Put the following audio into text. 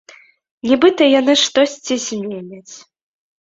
Нібыта яны штосьці зменяць.